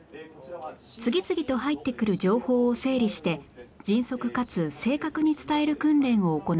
次々と入ってくる情報を整理して迅速かつ正確に伝える訓練を行います